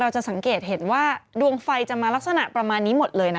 จะสังเกตเห็นว่าดวงไฟจะมาลักษณะประมาณนี้หมดเลยนะ